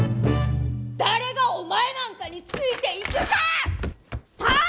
誰がお前なんかについていくかあ！